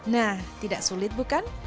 nah tidak sulit bukan